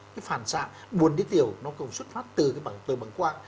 cái phản xạ buồn đi tiểu nó cũng xuất phát từ bầng quang